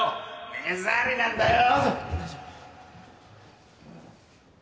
目障りなんだよ